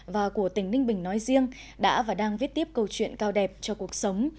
và của tỉnh ninh bình nói riêng đã và đang viết tiếp câu chuyện cao đẹp cho cuộc sống